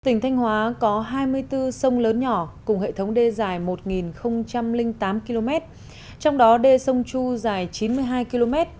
tỉnh thanh hóa có hai mươi bốn sông lớn nhỏ cùng hệ thống đê dài một tám km trong đó đê sông chu dài chín mươi hai km